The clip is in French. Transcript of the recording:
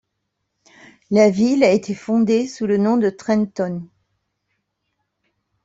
La ville a été fondée sous le nom de Trenton.